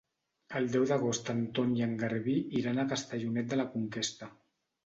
El deu d'agost en Ton i en Garbí iran a Castellonet de la Conquesta.